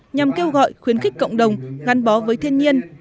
nhằm kêu gọi khuyến khích cộng đồng gắn bó với thiên nhiên